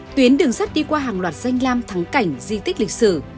tuyến đường sắt đi qua hàng loạt danh lam thắng cảnh di tích lịch sử